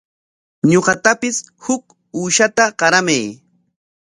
Ñuqatapis huk uushata qaramay.